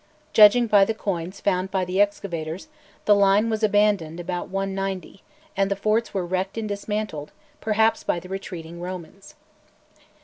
Judging by the coins found by the excavators, the line was abandoned about 190, and the forts were wrecked and dismantled, perhaps by the retreating Romans.